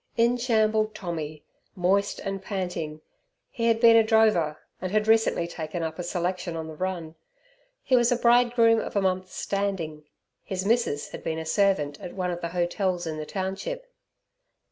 In shambled Tommy, moist and panting. He had been a drover, and had recently taken up a selection on the run. He was a bridegroom of a month's standing. His missus had been a servant at one of the hotels in the township.